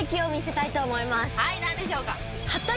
はい何でしょうか？